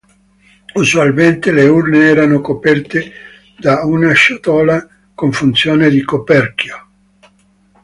Usualmente le urne erano coperte da una ciotola con funzione di coperchio.